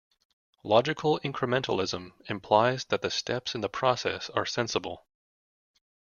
Logical incrementalism implies that the steps in the process are sensible.